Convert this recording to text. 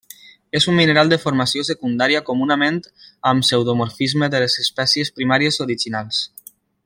És un mineral de formació secundària comunament amb pseudomorfisme de les espècies primàries originals.